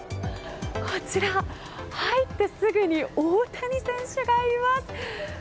入ってすぐに大谷選手がいます。